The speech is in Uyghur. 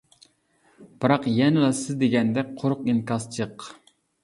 بىراق يەنىلا سىز دېگەندەك قۇرۇق ئىنكاس جىق.